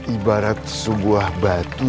ibarat sebuah batu